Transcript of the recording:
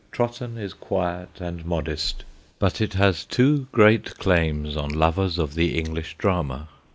Trotton is quiet and modest, but it has two great claims on lovers of the English drama.